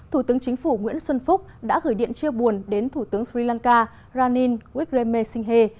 thủ tướng chính phủ nguyễn xuân phúc đã gửi điện chia buồn đến thủ tướng sri lanka ranin wigremesinghe